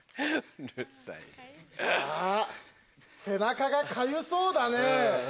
背中がかゆそうだね。